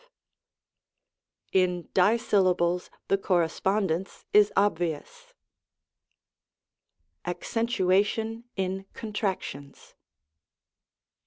In dissyllables, the correspondence is obvious. ACCENTUATION IN CONTRACTIONS.